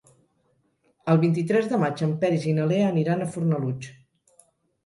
El vint-i-tres de maig en Peris i na Lea aniran a Fornalutx.